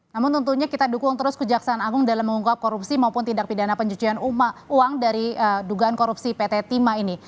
namun tentunya kita dukung terus kejaksaan agung dalam mengungkap korupsi maupun tindak pidana pencucian uang dari dugaan korupsi pt timah ini